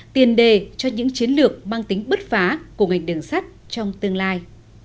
tiền đề cho những chiến lược mang tính bứt phá của ngành đường sắt trong tương lai